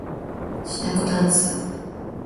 しなこだんす